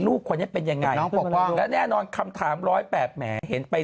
ลูกคนนี้เป็นยังไงและแน่นอนคำถาม๑๐๘แหมเห็นไป